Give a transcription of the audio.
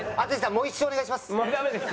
もう一周お願いします。